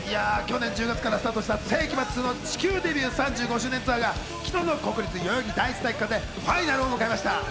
去年１０月からスタートした聖飢魔２の地球デビュー３５周年ツアーが昨日国立代々木第一体育館でファイナルを迎えました。